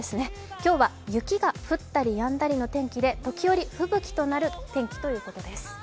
今日は雪が降ったりやんだりの天気で時折、吹雪となる天気ということです。